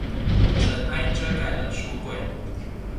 塵埃遮蓋了書櫃